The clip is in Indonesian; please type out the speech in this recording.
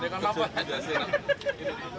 eh kan ini belum selesai pak